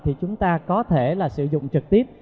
thì chúng ta có thể là sử dụng trực tiếp